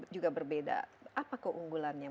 juga berbeda apa keunggulan yang